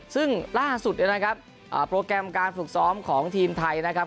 ซึ่งล่าสุดเนี่ยนะครับโปรแกรมการฝึกซ้อมของทีมไทยนะครับ